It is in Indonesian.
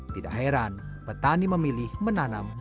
tidak heran petani memilih menanam durian montong